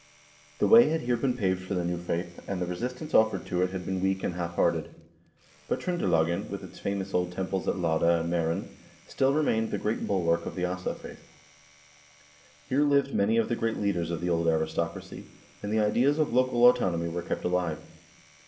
The way had here been paved for the new faith, and the resistance offered to it had been weak and half hearted. But Tr0ndelagen, with its famous old temples at Lade and Mseren, still remained the great bulwark of the Asa faith. Here lived many of the great leaders of the old aristocracy, and the ideas of local autonomy were kept alive.